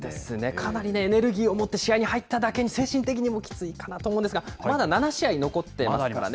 かなりエネルギーを持って試合に入っただけに、精神的にもきついかなと思うんですが、まだ７試合残ってますからね。